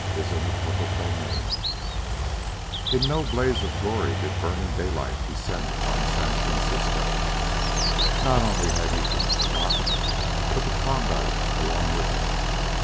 PART II CHAPTER I In no blaze of glory did Burning Daylight descend upon San Francisco. Not only had he been forgotten, but the Klondike along with him.